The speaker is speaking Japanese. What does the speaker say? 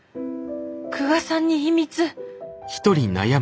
久我さんに秘密。